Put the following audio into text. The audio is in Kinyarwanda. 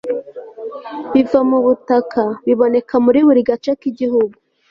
biva mu butaka biboneka muri buri gace kigihugu